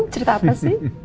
cerita apa sih